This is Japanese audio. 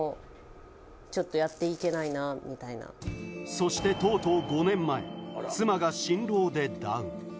そして、とうとう５年前、妻が心労でダウン。